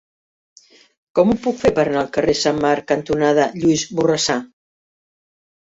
Com ho puc fer per anar al carrer Sant Marc cantonada Lluís Borrassà?